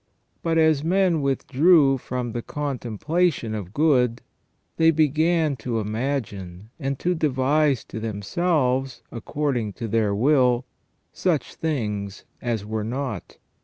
But as men withdrew from the con templation of good, they began to imagine and to devise to themselves, according to their will, such things as were not.